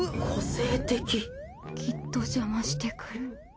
きっと邪魔してくる。